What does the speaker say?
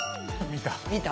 見た。